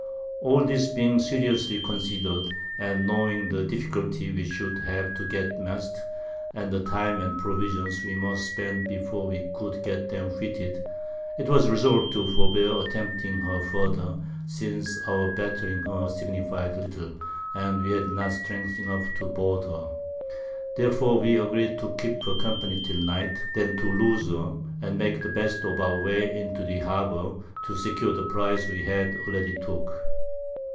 All this being seriously consider'd, and knowing the Difficulty we should have to get Masts, and the Time and Provisions we must spend before we could get 'em fitted, 'twas resolved to forbear attempting her further, since our battering her signify'd little, and we had not Strength enough to board her: Therefore we agreed to keep her company till Night, then to lose her, and make the best of our way into the Harbour to secure the Prize we had already took.